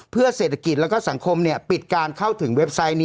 เพื่อเศรษฐกิจและสังคมปิดการเข้าถึงเว็บไซต์นี้